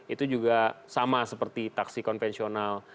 itu juga sama seperti taksi konvensional